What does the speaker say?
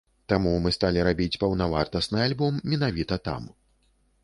Таму мы сталі рабіць паўнавартасны альбом менавіта там.